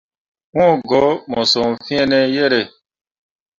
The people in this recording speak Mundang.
Wũũ go mo son fiine yere.